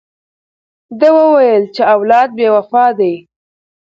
ده وویل چې اولاد بې وفا دی.